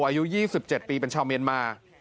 อายุ๒๗ปีเป็นชาวเมียนมา